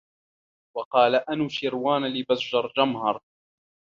وَقَالَ أَنُوشِرْوَانَ لِبَزَرْجَمْهَرَ